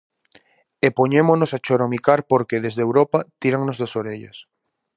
E poñémonos a choromicar porque, desde Europa, tírannos das orellas.